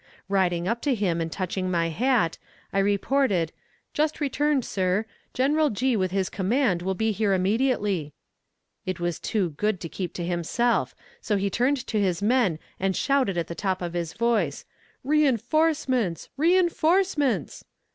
Riding up to him and touching my hat, I reported "Just returned, sir. General G., with his command, will be here immediately." It was too good to keep to himself, so he turned to his men and shouted at the top of his voice "Reinforcements! reinforcements!"